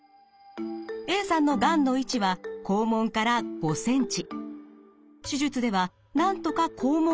Ａさんのがんの位置は肛門から５ｃｍ。